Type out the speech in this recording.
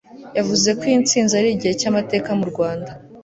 yavuze ko iyi ntsinzi ari igihe cyamateka mu Rwanda